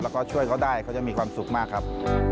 แล้วก็ช่วยเขาได้เขาจะมีความสุขมากครับ